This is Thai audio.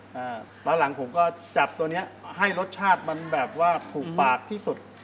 แล้วตอนหลังผมก็จับตัวเนี้ยให้รสชาติมันแบบว่าถูกปากที่สุด